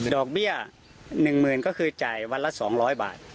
ดอกเบี้ยหนึ่งหมื่นก็คือจ่ายวันละสองร้อยบาท